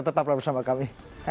tetaplah bersama kami